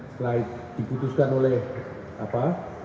selain dibutuhkan oleh apa